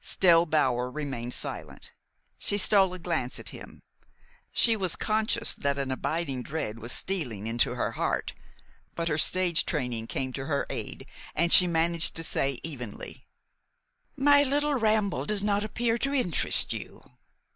Still Bower remained silent. She stole a glance at him. She was conscious that an abiding dread was stealing into her heart; but her stage training came to her aid, and she managed to say evenly: "My little ramble does not appear to interest you?"